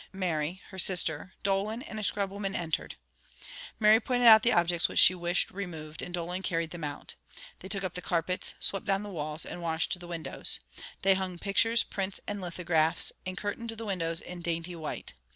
Mary, her sister, Dolan, and a scrub woman entered. Mary pointed out the objects which she wished removed, and Dolan carried them out. They took up the carpets, swept down the walls, and washed the windows. They hung pictures, prints, and lithographs, and curtained the windows in dainty white.